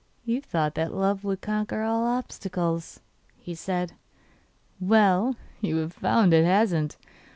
'You thought that love would conquer all obstacles,' said he; 'well, you have found it hasn't!